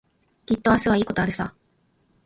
きっと明日はいいことあるさ。